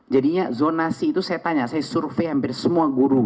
jadinya zonasi itu saya tanya saya survei hampir semua guru